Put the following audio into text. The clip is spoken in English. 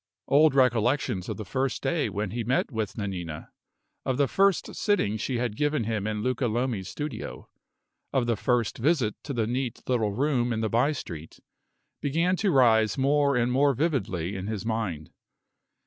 Old recollections of the first day when he met with Nanina, of the first sitting she had given him in Luca Lomi's studio, of the first visit to the neat little room in the by street, began to rise more and more vividly in his mind.